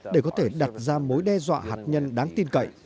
để có thể đặt ra mối đe dọa hạt nhân đáng tin cậy